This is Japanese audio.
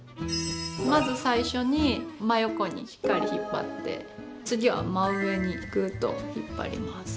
まず最初に真横にしっかり引っ張って次は真上にグッと引っ張ります。